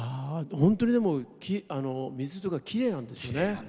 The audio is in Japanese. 本当にでも水がきれいなんですよね。